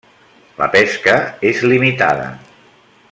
La pesca és limitada.